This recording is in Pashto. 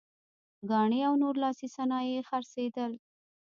ګاڼې او نور لاسي صنایع یې خرڅېدل.